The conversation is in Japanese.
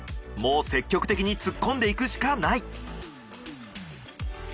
もう積極的に突っ込んでいくしかない。